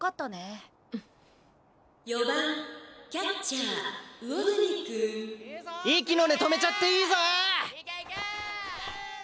息の根止めちゃっていーぞ。